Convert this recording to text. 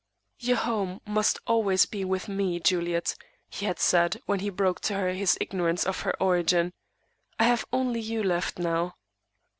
"Your home must always be with me, Juliet," he had said, when he broke to her his ignorance of her origin. "I have only you left now."